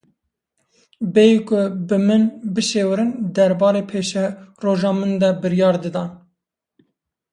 Bêyî ku bi min bişêwirin, derbarê paşeroja min de biryar didan.